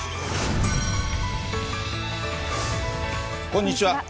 こんにちは。